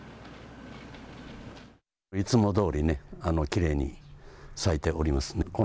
いつもどおりねきれいに咲いておりますね。